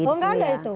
oh gak ada itu